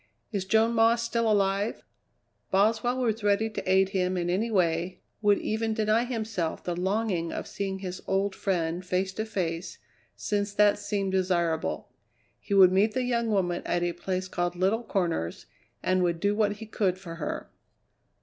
"Is Joan Moss still alive?" Boswell was ready to aid him in any way, would even deny himself the longing of seeing his old friend face to face, since that seemed desirable. He would meet the young woman at a place called Little Corners and would do what he could for her.